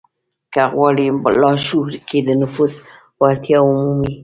که غواړئ په لاشعور کې د نفوذ وړتيا ومومئ.